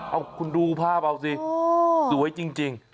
เอาคุณดูภาพเอาสิสวยจริง